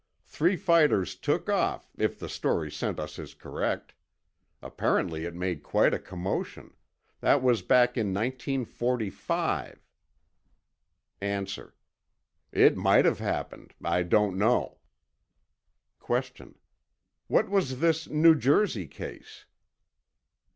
Three fighters took off, if the story sent us is correct. Apparently it made quite a commotion. That was back in 1945. A. It might have happened. I don't know. Q. What was this New Jersey case?